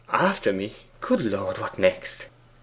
'After me! Good Lord, what next!